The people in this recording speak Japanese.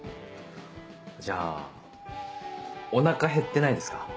じゃあお腹へってないですか？